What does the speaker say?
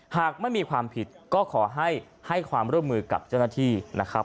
หากไม่มีความผิดก็ขอให้ความร่วมมือกับเจ้าหน้าที่นะครับ